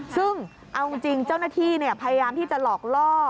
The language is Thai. ซึ่งเอาจริงเจ้าหน้าที่พยายามที่จะหลอกล่อ